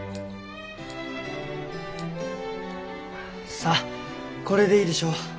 さあこれでいいでしょう。